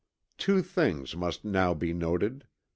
Two things must now be noted.